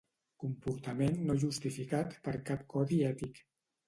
Comportament no justificat per cap codi ètic.